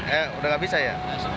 eh sudah tidak bisa ya